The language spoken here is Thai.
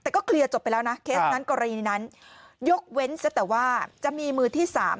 แต่ก็เคลียร์จบไปแล้วนะเคสนั้นกรณีนั้นยกเว้นซะแต่ว่าจะมีมือที่๓